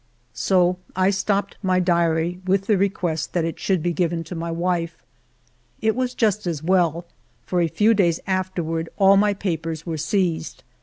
So I stopped my diary wJlh the re 224 FIVE YEARS OF MY LIEE quest that it should be given to my wife. It was just as well, for a few days afterward all my papers were seized.